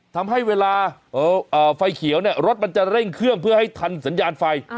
ทำให้เวลาไฟเขียวเนี่ยรถมันจะเร่งเครื่องเพื่อให้ทันสัญญาณไฟ